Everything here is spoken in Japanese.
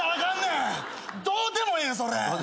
どうでもええの？